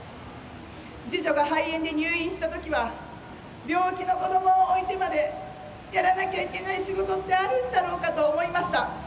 次女が肺炎で入院した時は病気の子どもを置いてまでやらなきゃいけない仕事ってあるんだろうかと思いました。